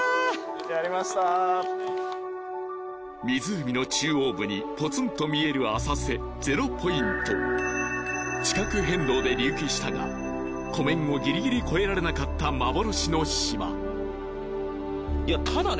やりました湖の中央部にポツンと見える浅瀬ゼロポイント地殻変動で隆起したが湖面をギリギリ越えられなかった幻の島いやただね